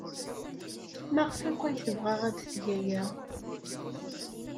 Maɣef akk ay tebɣa ad teg aya?